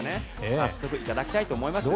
早速いただきたいと思います。